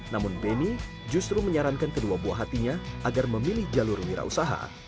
namun beni justru menyarankan kedua buah hatinya agar memilih jalur wira usaha